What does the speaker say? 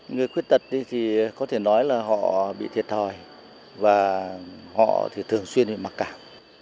người khuyết tật thì có thể nói là họ bị thiệt thòi và họ thì thường xuyên bị mặc cảm